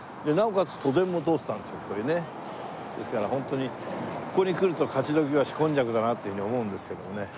ですからホントにここに来ると勝鬨橋今昔だなっていうふうに思うんですけどもね。